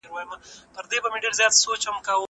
زه پرون مکتب ته ولاړم!!